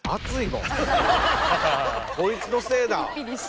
こいつのせいだ。